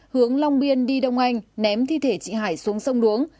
hướng long biên đi đông anh ném thi thể chị hải xuống sông đuống